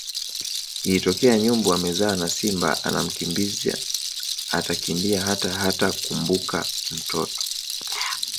Ikitokea nyumbu amezaa na simba anamkimbiza atakimbia hata hatakumbuka mtoto